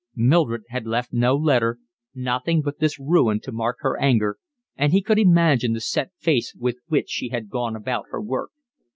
Mildred had left no letter, nothing but this ruin to mark her anger, and he could imagine the set face with which she had gone about her work.